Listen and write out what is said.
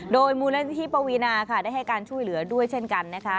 โดยมูลนิธิปวีนาค่ะได้ให้การช่วยเหลือด้วยเช่นกันนะคะ